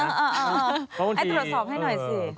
ให้ตรวจสอบให้หน่อยสิเพราะบางที